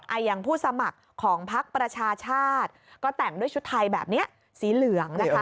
อย่างผู้สมัครของพักประชาชาติก็แต่งด้วยชุดไทยแบบนี้สีเหลืองนะคะ